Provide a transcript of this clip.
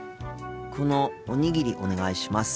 このおにぎりお願いします。